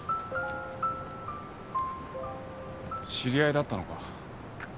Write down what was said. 知り合いだったのか。